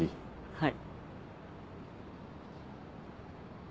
はい。